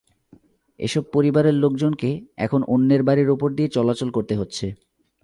এসব পরিবারের লোকজনকে এখন অন্যের বাড়ির ওপর দিয়ে চলাচল করতে হচ্ছে।